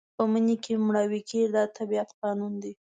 په مني کې مړاوي کېږي دا د طبیعت قانون دی.